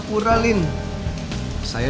aku mau ke rumah